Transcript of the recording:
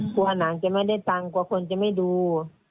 หนังจะไม่ได้ตังค์กลัวคนจะไม่ดู